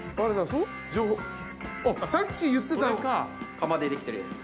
釜でできてるやつ。